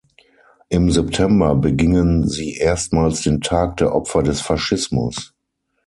Im September begingen sie erstmals den „Tag der Opfer des Faschismus“.